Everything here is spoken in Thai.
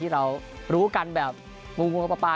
ที่เรารู้กันแบบกุงกุงปป้า